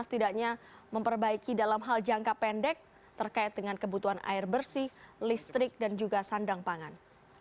setidaknya memperbaiki dalam hal jangka pendek terkait dengan kebutuhan air bersih listrik dan juga sandang pangan